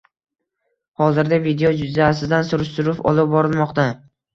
Hozirda video yuzasidan surishtiruv olib borilmoqda